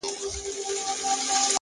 خاموش صبر لوی بدلون زېږوي!.